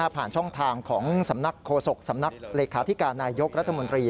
ผ่านช่องทางของสำนักโฆษกสำนักเลขาธิการนายยกรัฐมนตรี